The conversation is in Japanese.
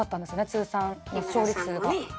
通算の勝利数が。